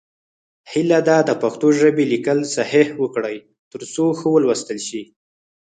هیله ده د پښتو ژبې لیکل صحیح وکړئ، تر څو ښه ولوستل شي.